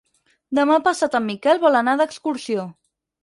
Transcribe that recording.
Demà passat en Miquel vol anar d'excursió.